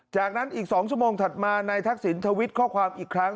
จากนั้นอีก๒ชั่วโมงถัดมานายทักษิณทวิตข้อความอีกครั้ง